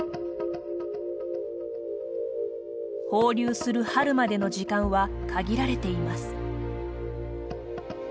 放流する春までの時間は限られています。